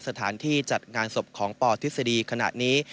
สถานที่จัดงานศพของปทฤษฎีขณะนี้